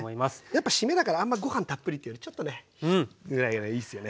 やっぱ締めだからあんまご飯たっぷりというよりちょっとねぐらいがいいっすよね。